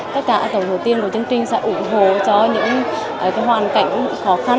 tất cả tổng số tiền của chương trình sẽ ủng hộ cho những hoàn cảnh khó khăn